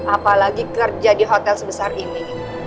apalagi kerja di hotel sebesar ini